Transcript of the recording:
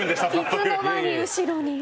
いつの間に後ろに。